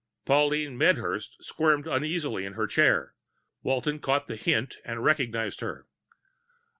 Pauline Medhurst squirmed uneasily in her chair. Walton caught the hint and recognized her.